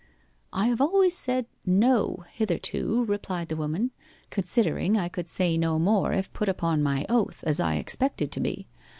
'I have always said "No" hitherto,' replied the woman, 'considering I could say no more if put upon my oath, as I expected to be.